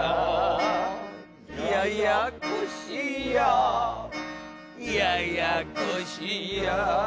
ややこしやややこしや。